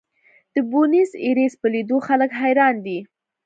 د بونیس ایرس په لیدو خلک حیران دي.